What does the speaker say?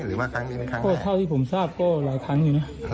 หรือว่าครั้งนี้เป็นครั้งหน้าเพราะเท่าที่ผมทราบก็หลายครั้งอยู่น่ะ